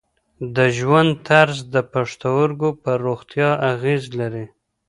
د ژوند طرز د پښتورګو پر روغتیا اغېز لري.